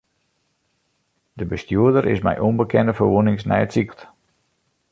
De bestjoerder is mei ûnbekende ferwûnings nei it sikehûs brocht.